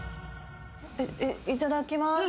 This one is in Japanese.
いただきます。